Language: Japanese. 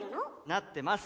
なってます。